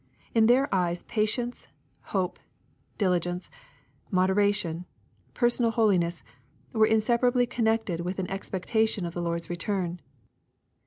In their eyes pa tience, hope, diligence, moderation, personal holiness, were inseparably connected with an expectation of the Lord's return.